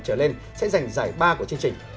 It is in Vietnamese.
trở lên sẽ giành giải ba của chương trình